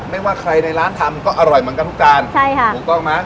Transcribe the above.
ไม่ว่าใครในร้านทำก็อร่อยเหมือนกันทุกจานใช่ค่ะถูกต้องไหม